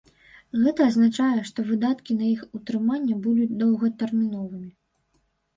Гэта азначае, што выдаткі на іх утрыманне будуць доўгатэрміновымі.